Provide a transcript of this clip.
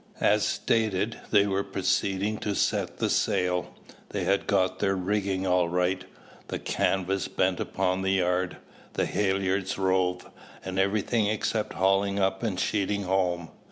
As stated, they were proceeding to set the sail. They had got their rigging all right, the canvas bent upon the yard, the halliards rove, and everything except hauling up and sheeting home.